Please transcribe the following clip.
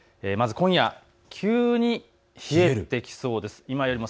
まず今夜、急に冷えてきそうです。